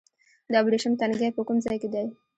د ابریشم تنګی په کوم ځای کې دی؟